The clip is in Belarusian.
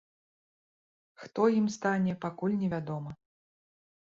Хто ім стане, пакуль невядома.